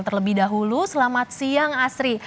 terlebih dahulu selamat siang asri